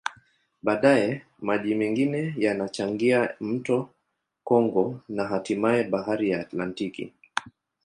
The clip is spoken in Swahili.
Baadaye, maji mengine yanachangia mto Kongo na hatimaye Bahari ya Atlantiki.